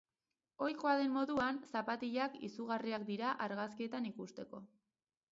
Ohikoa den moduan, zapatilak izugarriak dira argazkietan ikusteko.